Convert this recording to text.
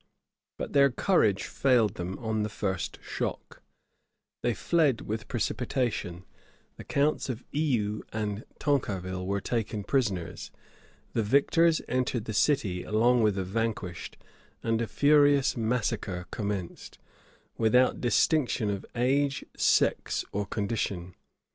But their courage failed them on the first shock: they fled with precipitation: the counts of Eu and Tancarville were taken prisoners: the victors entered the city along with the vanquished, and a furious massacre commenced, without distinction of age, sex, or condition.